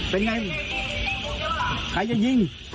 เป็นอย่างไรใครจะยิง